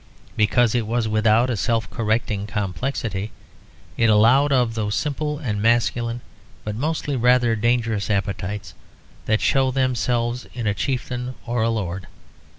Because it was without a self correcting complexity, it allowed of those simple and masculine but mostly rather dangerous appetites that show themselves in a chieftain or a lord.